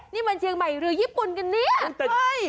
นี่มันเชียงใหม่เรือญี่ปุ่นกันเนี่ย